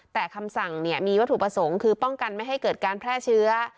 แต่คำสั่งมีวัตถุประสงค์คือป้องกันไม่ให้เกิดการแพร่เชื้อ